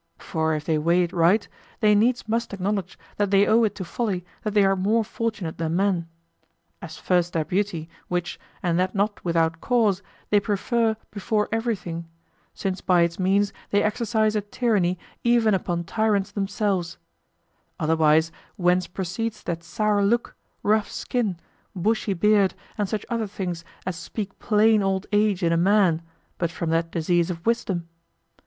For if they weigh it right, they needs must acknowledge that they owe it to folly that they are more fortunate than men. As first their beauty, which, and that not without cause, they prefer before everything, since by its means they exercise a tyranny even upon tyrants themselves; otherwise, whence proceeds that sour look, rough skin, bushy beard, and such other things as speak plain old age in a man, but from that disease of wisdom?